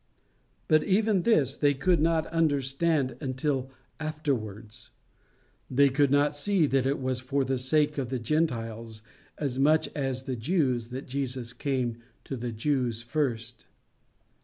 But even this they could not understand until afterwards. They could not see that it was for the sake of the Gentiles as much as the Jews that Jesus came to the Jews first.